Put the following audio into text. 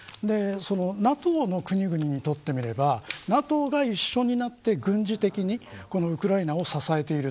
ＮＡＴＯの国々にとってみればＮＡＴＯが一緒になって軍事的にこのウクライナを支えている。